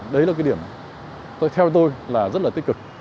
đấy là cái điểm theo tôi là rất là tích cực